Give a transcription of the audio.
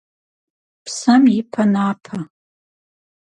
Псэм ипэ напэ.